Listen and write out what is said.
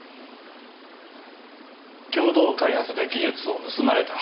共同開発で技術を盗まれた。